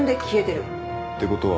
ってことは？